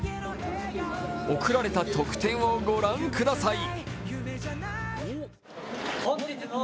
贈られた特典をご覧ください。